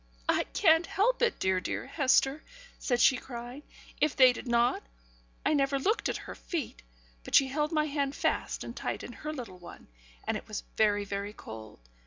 'I can't help it, dear, dear Hester,' said she, crying, 'if they did not; I never looked at her feet, but she held my hand fast and tight in her little one, and it was very, very cold.